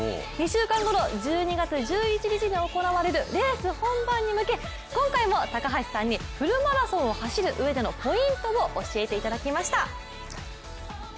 ２週間後の１２月１１日に行われるレース本番に向け今回も高橋さんにフルマラソンを走るうえでのポイントを教えていただきました。